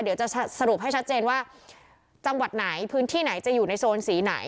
เดี๋ยวจะสรุปให้ชัดเจนว่าจังหวัดไหนพื้นที่ไหนจะอยู่ในโซนสีไหน